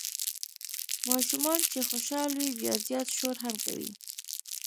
ماشومان چې خوشال وي بیا زیات شور هم کوي.